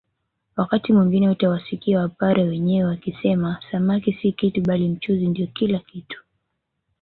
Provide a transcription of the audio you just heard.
Wakati mwingine utawasikia wapare wenyewe wakisema samaki si kitu bali mchuzi ndio kila kitu